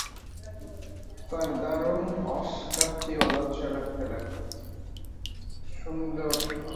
তাঁর দারুণ অস্কাপ্তি ও লজ্জা লাগতে লাগল।